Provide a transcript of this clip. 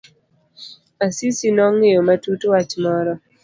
Asisi nong'iyo matut wach moro.